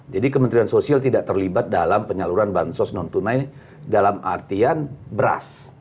jadi kementerian sosial tidak terlibat dalam penyaluran bansos non tunai dalam artian beras